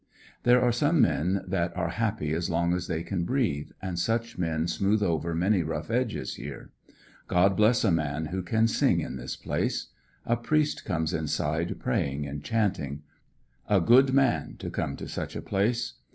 There are some men that are happy as long as they can breathe, and such men smoothe over many rough places here. God bless a man who can sing in this place. A priest comes inside praying and chanting. A good man to come to such a place.